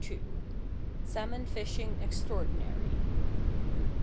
SALMON FISHING EXTRAORDINARY.